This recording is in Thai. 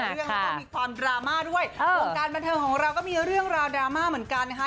เรื่องนี้ก็มีความดราม่าด้วยวงการบันเทิงของเราก็มีเรื่องราวดราม่าเหมือนกันนะคะ